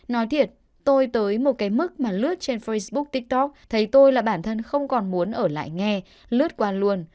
nói thiệt tôi tới một cái mức mà lướt trên facebook tiktok thấy tôi là bản thân không còn muốn ở lại nghe lướt qua luôn